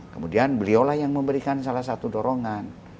kemudian beliaulah yang memberikan salah satu dorongan